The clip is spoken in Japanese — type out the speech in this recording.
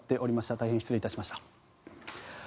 大変失礼いたしました。